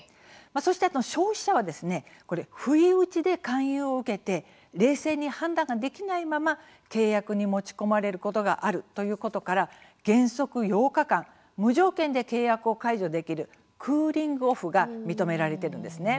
そして、消費者は不意打ちで勧誘を受けて冷静に判断ができないまま契約に持ち込まれることがあるということから、原則８日間無条件で契約を解除できるクーリング・オフが認められているんですね。